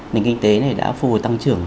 nền kinh tế này đã phục hồi tăng trưởng